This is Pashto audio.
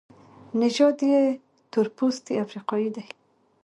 نژاد یې تورپوستی افریقایی دی.